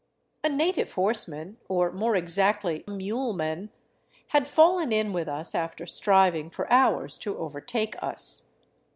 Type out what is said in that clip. A native horseman, or, more exactly, muleman, had fallen in with tis, after striving for hours to overtake us.